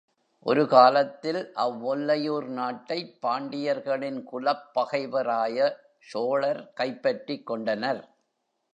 ஒரு காலத்தில், அவ்வொல்லையூர் நாட்டைப் பாண்டியர்களின் குலப் பகைவராய சோழர் கைப் பற்றிக் கொண்டனர்.